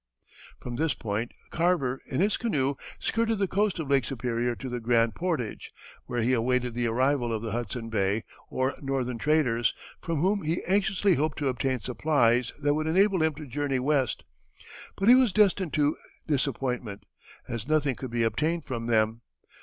From this point Carver, in his canoe, skirted the coast of Lake Superior to the Grand Portage, where he awaited the arrival of the Hudson Bay or northern traders, from whom he anxiously hoped to obtain supplies that would enable him to journey west; but he was destined to disappointment, as nothing could be obtained from them.